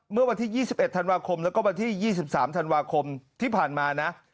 เมื่อวันที่๒๑ธันวาคมแล้วก็วันที่๒๓ธันวาคมที่ผ่านมานะ